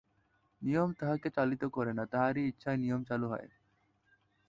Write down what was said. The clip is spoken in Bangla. নিয়ম তাঁহাকে চালিত করে না, তাঁহারই ইচ্ছায় নিয়ম চালু হয়।